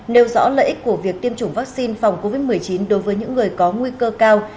nêu rõ lợi ích của việc tiêm chủng vaccine phòng covid một mươi chín đối với những người có nguy cơ cao